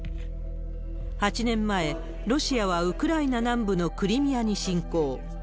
８年前、ロシアはウクライナ南部のクリミアに侵攻。